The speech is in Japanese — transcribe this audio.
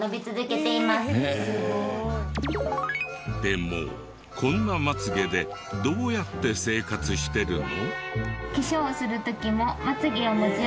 でもこんなマツ毛でどうやって生活してるの？